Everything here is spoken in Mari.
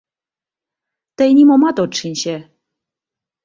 — Тый нимомат от шинче...